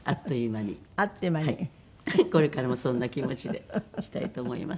これからもそんな気持ちでいきたいと思います。